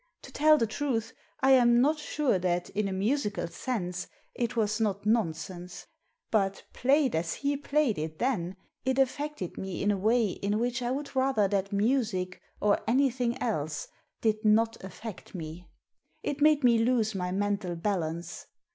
To tell the truth, I am not sure that, in a musical sense, it was not nonsense ; but, played as he played it then, it affected me in a way in which I would rather that music, or anything else, did not affect me. It made me lose my mental balance.